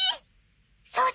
そうだ！